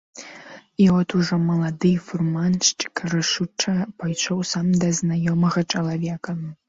І от ужо малады фурманшчык рашуча пайшоў сам да знаёмага чалавека.